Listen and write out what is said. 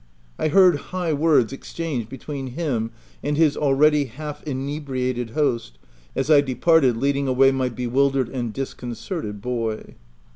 I heard high words exchanged between him and his already half inebriated host as I departed, leading away my bewildered and dis concerted boy.